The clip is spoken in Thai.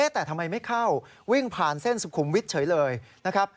แต่ทำไมไม่เข้าวิ่งผ่านเส้นสุขุมวิทย์เฉยเลยนะครับ